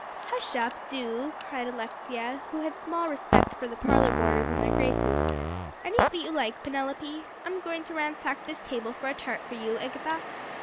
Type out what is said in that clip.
"Hush up, do," cried Alexia, who had small respect for the parlor boarders and their graces, "and eat what you like, Penelope. I'm going to ransack this table for a tart for you, Agatha."